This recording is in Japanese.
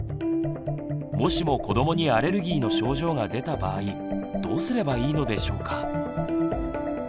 もしも子どもにアレルギーの症状が出た場合どうすればいいのでしょうか？